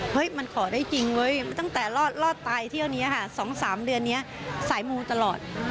มันขอได้จริงเว้ยตั้งแต่รอดตายเที่ยวนี้ค่ะ๒๓เดือนนี้สายมูตลอด